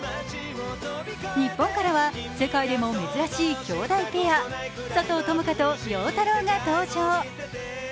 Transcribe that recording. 日本からは世界でも珍しいきょうだいペア、佐藤友花と陽太郎が登場。